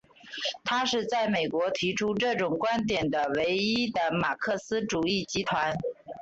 它是在美国提出这种观点的唯一的马克思主义集团。